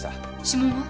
指紋は？